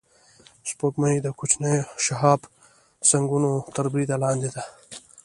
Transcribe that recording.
سپوږمۍ د کوچنیو شهابسنگونو تر برید لاندې ده